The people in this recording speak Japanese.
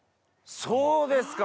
そうですか。